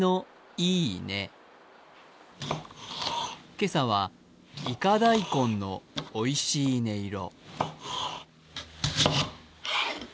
今朝は、いか大根のおいしい音色。